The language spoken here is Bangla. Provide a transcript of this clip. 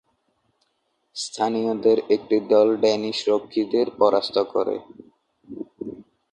স্থানীয়দের একটি দল ডেনিশ রক্ষীদের পরাস্ত করে।